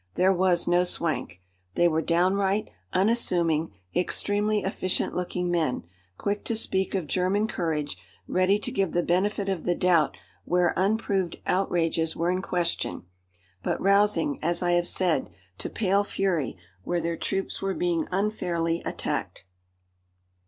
There was no swank. They were downright, unassuming, extremely efficient looking men, quick to speak of German courage, ready to give the benefit of the doubt where unproved outrages were in question, but rousing, as I have said, to pale fury where their troops were being unfairly attacked.